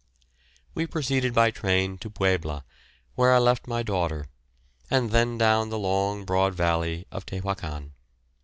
We proceeded by train to Puebla, where I left my daughter, and then down the long broad valley of Tehuacan.